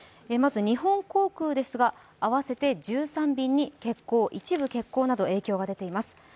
まず日本航空ですが合わせて１３便に欠航、一部欠航など影響が出ています。